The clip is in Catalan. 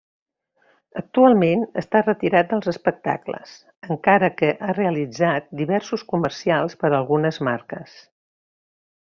Actualment està retirat dels espectacles, encara que ha realitzat diversos comercials per a algunes marques.